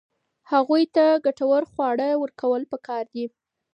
هغوی ته ګټور خواړه ورکول پکار دي.